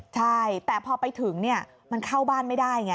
ใช่แต่พอไปถึงมันเข้าบ้านไม่ได้ไง